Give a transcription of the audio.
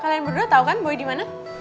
kalian berdua tau kan boy dimana